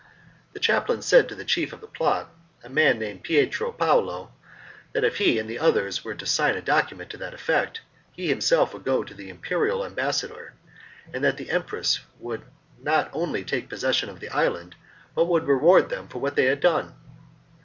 The chaplain said to the chief of the plot, a man named Pietro Paolo, that if he and the others would sign a document to that effect, he himself would go to the imperial ambassador, and that the Empress would not only take possession of the island, but would reward them for what they had done.